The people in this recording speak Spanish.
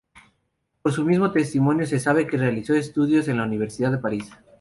Por su mismo testimonio se sabe que realizó estudios en la Universidad de París.